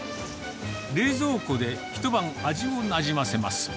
冷蔵庫で一晩味をなじませます。